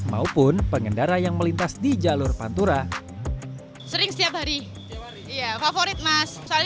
maupun pengendara yang berpengalaman